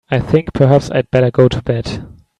I think perhaps I'd better go to bed.